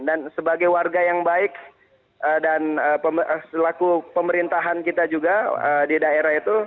dan sebagai warga yang baik dan selaku pemerintahan kita juga di daerah itu